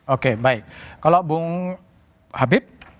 oke baik kalau bung habib